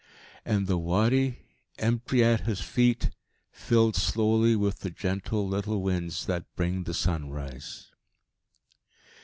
And the Wadi, empty at his feet, filled slowly with the gentle little winds that bring the sunrise.